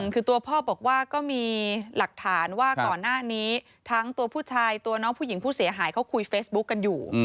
คือตัวพ่อบอกว่าก็มีหลักฐานว่าก่อนหน้านี้ทั้งตัวผู้ชายตัวน้องผู้หญิงผู้เสียหายเขาคุยเฟซบุ๊กกันอยู่